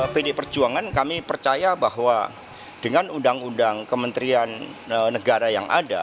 pdi perjuangan kami percaya bahwa dengan undang undang kementerian negara yang ada